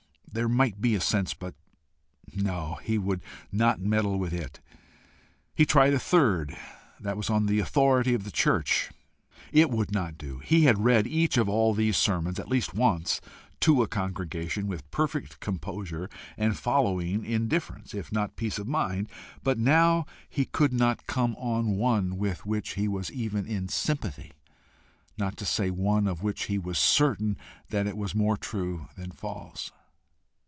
There might be a sense but ! No, he would not meddle with it. He tried a third: that was on the Authority of the Church. It would not do. He had read each of all these sermons, at least once, to a congregation, with perfect composure and following indifference, if not peace of mind, but now he could not come on one with which he was even in sympathy not to say one of which he was certain that it was more true than false.